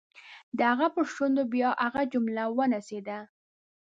د هغه پر شونډو بیا هغه جمله ونڅېده.